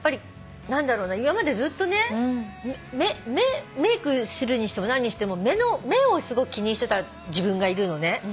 今までずっとねメークするにしても何にしても目をすごく気にしてた自分がいるのね。